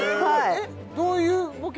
えっどういうボケ？